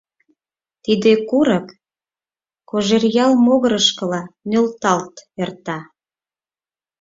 Тиде курык Кожеръял могырышкыла нӧлталт эрта.